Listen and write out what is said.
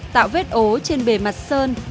tạo vết ố trên bề mặt sơn